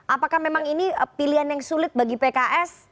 apakah memang ini pilihan yang sulit bagi pks